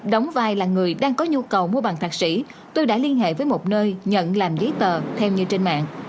đóng vai là người đang có nhu cầu mua bằng thạc sĩ tôi đã liên hệ với một nơi nhận làm giấy tờ theo như trên mạng